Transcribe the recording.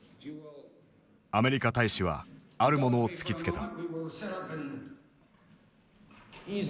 アメリカ大使はあるものを突きつけた。